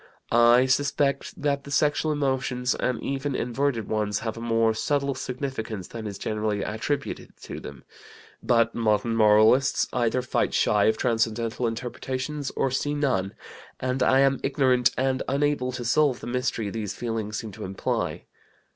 I suspect that the sexual emotions and even inverted ones have a more subtle significance than is generally attributed to them; but modern moralists either fight shy of transcendental interpretations or see none, and I am ignorant and unable to solve the mystery these feelings seem to imply.